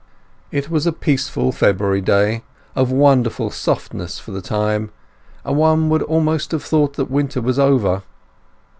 It was a peaceful February day, of wonderful softness for the time, and one would almost have thought that winter was over.